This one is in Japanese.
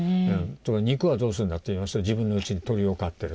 「肉はどうするんだ？」と言いましたら「自分のうちで鶏を飼ってる。